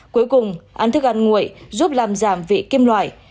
cuối cùng ăn thức ăn nguội giúp làm giảm vị kim loại